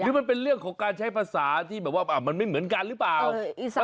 มันเป็นเรื่องของการใช้ภาษาที่แบบว่ามันไม่เหมือนกันหรือเปล่า